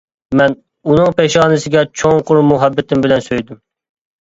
مەن ئۇنىڭ پېشانىسىگە چوڭقۇر مۇھەببىتىم بىلەن سۆيدۈم.